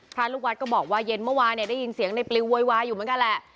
ลูกวัดก็บอกว่าเย็นเมื่อวานเนี่ยได้ยินเสียงในปลิวโวยวายอยู่เหมือนกันแหละ